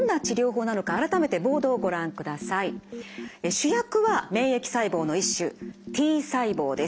主役は免疫細胞の一種Ｔ細胞です。